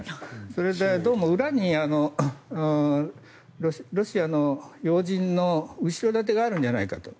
それでどうも裏にロシアの要人の後ろ盾があるんじゃないかと。